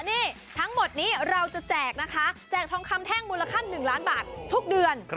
นี่ทั้งหมดนี้เราจะแจกนะคะแจกทองคำแท่งมูลค่า๑ล้านบาททุกเดือน